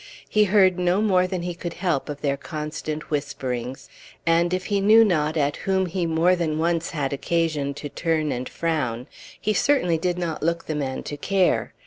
He heard no more than he could help of their constant whisperings, and, if he knew not at whom he more than once had occasion to turn and frown, he certainly did not look the man to care.